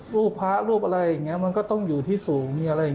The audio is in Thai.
รูปพระรูปอะไรอย่างนี้มันก็ต้องอยู่ที่สูง